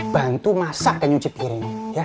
bantu masak dan nyuci piring